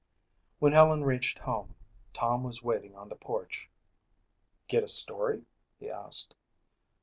When Helen reached home, Tom was waiting on the porch. "Get a story?" he asked.